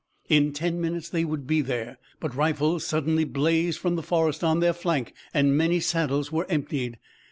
In ten minutes they would be there, but rifles suddenly blazed from the forest on their flank and many saddles were emptied.